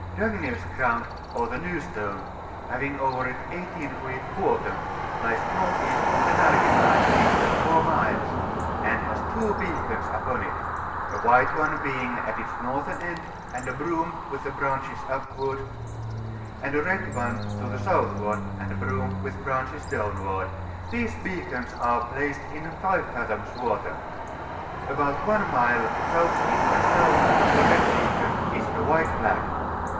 &AGlfnD'S GaOUND, or the New Stone, having over it 18 feet water, lies N.E. of Nargen Light, distant 4 miles, and has two beacons upon it, a white one being at its northern end, and a broom, with the branches upward; and a red one to the THE GULF OF FINLAND. 11 southward, and broom, with branches downward: these beacons are placed in 5 fathoms water. About one mile S.E. by S. from the red beacon is a white flag.